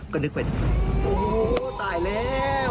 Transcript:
ก็นึกเป็นโอ้โหตายแล้ว